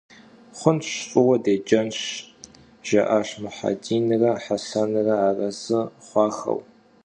Xhunş, f'ıue dêcenş, - jja'aş Muhedinre Hesenre, arezı xhuaxeu.